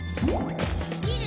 「みる！